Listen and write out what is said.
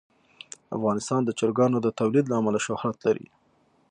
افغانستان د چرګانو د تولید له امله شهرت لري.